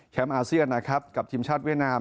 แชม์อาเซียนและทีมชาติเวียดนาม